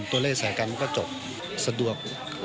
ตัวเล่ไสกรรมก็จบสะดวก